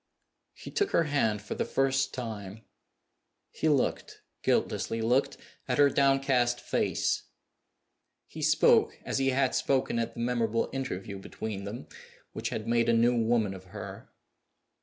He took her hand for the first time. He looked, guiltlessly looked, at her downcast face. He spoke as he had spoken at the memorable interview between them which had made a new woman of her.